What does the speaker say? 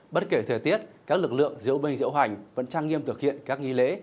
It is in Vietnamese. bất kể thời tiết các lực lượng diễu binh diễu hoành vẫn trang nghiêm thực hiện các nghi lễ